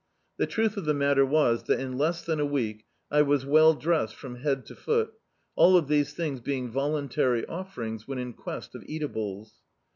The truth of the matter was that in less than a week I was well dressed from head to foot, all of these things being voluntary offerings, when in quest of eatables.